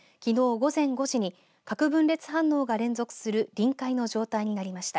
午前５時に核分裂反応が連続する臨界の状態になりました。